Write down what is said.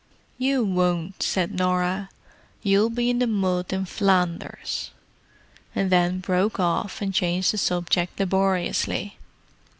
"You won't," said Norah. "You'll be in the mud in Flanders——" and then broke off, and changed the subject laboriously.